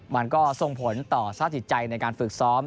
มันก็ส่งผลต่อสภาพจิตใจในการฝึกซ้อม